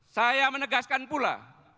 saya menegaskan pula